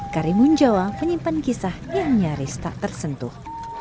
karimun jawa menyimpan kisah yang nyaris tak tersentuh